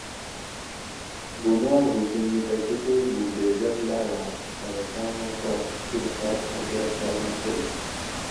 بُھونائے حکومیتہ کۤتیک بولڈیزر لاۤڑاۤش پرہ تامہ پا کی خاص حرکاۤت شاۤردہ نہ کۤربیش